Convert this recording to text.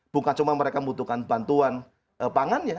bukan cuma mereka membutuhkan bantuan pangannya